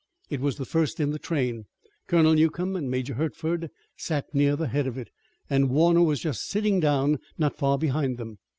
It was the first in the train. Colonel Newcomb and Major Hertford sat near the head of it, and Warner was just sitting down not far behind them.